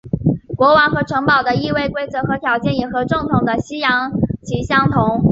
国王和城堡的易位规则和条件也和正统的西洋棋相同。